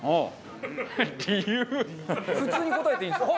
普通に答えていいんですか？